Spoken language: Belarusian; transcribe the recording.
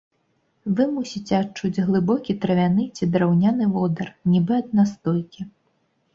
Вы мусіце адчуць глыбокі травяны ці драўняны водар, нібыта ад настойкі.